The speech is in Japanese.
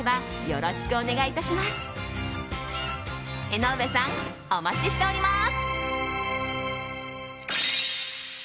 江上さんお待ちしております！